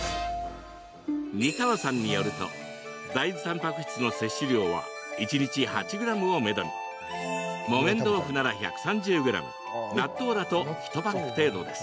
二川さんによると大豆たんぱく質の摂取量は一日８ｇをめどに木綿豆腐なら１３０ｇ納豆だと１パック程度です。